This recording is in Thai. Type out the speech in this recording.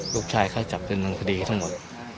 ลูกชายเขาจับเป็นมันพอดีทั้งหมด